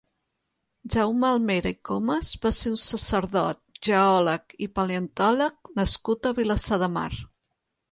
Jaume Almera i Comas va ser un sacerdot, geòleg i paleontòleg nascut a Vilassar de Mar.